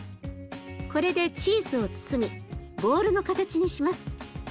これでチーズを包みボールの形にします。